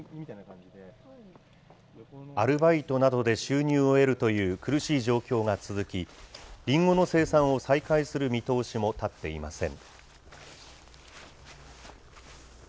アルバイトなどで収入を得るという苦しい状況が続き、りんごの生産を再開する見通しも立っていません。